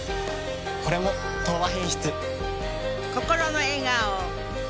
これも「東和品質」。